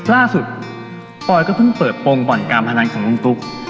ล่าสุดปอยก็เพิ่งเปิดโปรงบ่อนการพนันของลุงตุ๊ก